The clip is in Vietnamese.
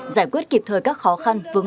giải quyết kịp thời các khó khăn